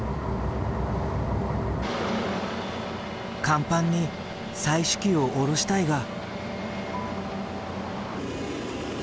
甲板に採取機を下ろしたいが。